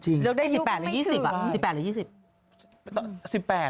จริงแล้วได้๑๘หรือ๒๐อ่ะ๑๘หรือ๒๐